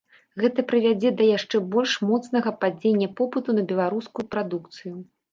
Гэта прывядзе да яшчэ больш моцнага падзення попыту на беларускую прадукцыю.